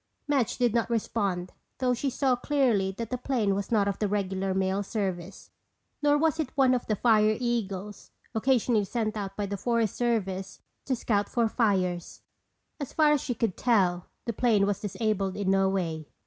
Madge did not respond though she saw clearly that the plane was not of the regular mail service. Nor was it one of the "Fire Eagles" occasionally sent out by the Forest Service to scout for fires. As far as she could tell the plane was disabled in no way.